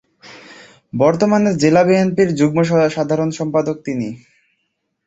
বর্তমানে জেলা বিএনপির যুগ্ম সাধারণ সম্পাদক তিনি।